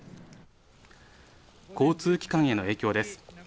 交通機関への影響です。